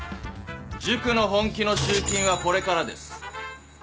塾の本気の集金はこれからです。